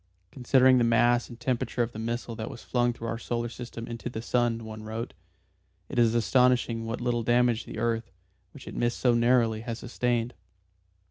"Considering the mass and temperature of the missile that was flung through our solar system into the sun," one wrote, "it is astonishing what a little damage the earth, which it missed so narrowly, has sustained.